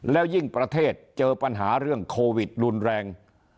แล้วยิ่งประเทศเจอปัญหาเรื่องโควิดรุนแรง